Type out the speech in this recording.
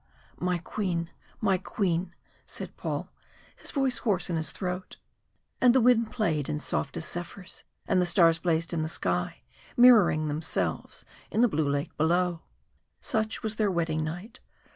"My Queen, my Queen!" said Paul, his voice hoarse in his throat. And the wind played in softest zephyrs, and the stars blazed in the sky, mirroring themselves in the blue lake below. Such was their wedding night.